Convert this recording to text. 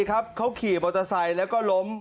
เขาขี่มอเตอร์ไซค์แล้วก็ล้ม